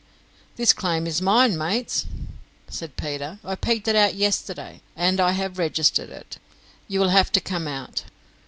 "This claim is mine, mates," said Peter; "I pegged it out yesterday, and I have registered it. You will have to come out."